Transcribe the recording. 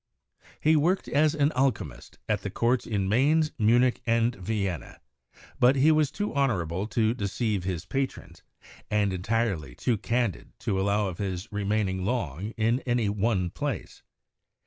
He worked as an alchemist at the courts in Mainz, Munich and Vienna, but he was too honorable to deceive his patrons, and entirely too candid to allow of his remain ing long in any one place.